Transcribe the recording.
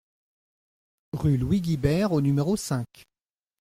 Rue Louis Guibert au numéro cinq